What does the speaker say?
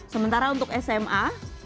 sementara untuk sma